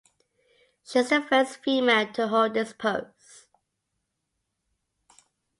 She is the first female to hold this post.